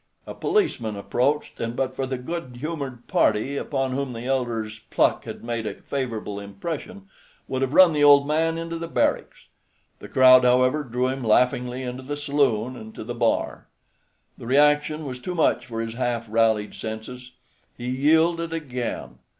A policeman approached, and but for the good humored party, upon whom the elder's pluck had made a favorable impression, would have run the old man into the barracks. The crowd, however, drew him laughingly into the saloon and to the bar. The reaction was too much for his half rallied senses. He yielded again.